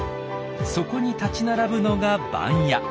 そこに立ち並ぶのが番屋。